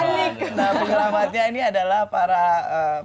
nah pegilamatnya ini adalah para pemain